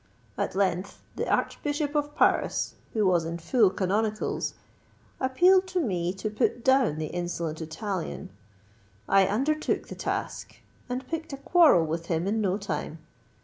At length the Archbishop of Paris, who was in full canonicals, appealed to me to put down the insolent Italian; I undertook the task—and picked a quarrel with him in no time.